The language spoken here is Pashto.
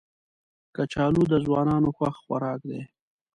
کچالو د ځوانانو خوښ خوراک دی